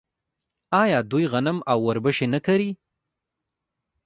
آیا دوی غنم او وربشې نه کري؟